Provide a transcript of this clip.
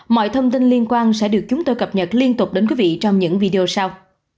mọi thông tin liên quan sẽ được chúng tôi cập nhật liên tục đến quý vị trong những video sau